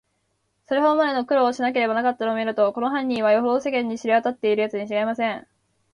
それほどまでの苦労をしなければならなかったのをみると、この犯人は、よほど世間に知れわたっているやつにちがいありません。